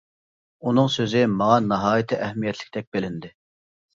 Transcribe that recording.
ئۇنىڭ سۆزى ماڭا ناھايىتى ئەھمىيەتلىكتەك بىلىندى.